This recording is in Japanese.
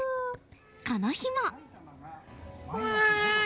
この日も。